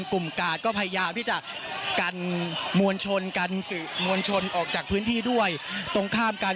กาดก็พยายามที่จะกันมวลชนกันสื่อมวลชนออกจากพื้นที่ด้วยตรงข้ามกัน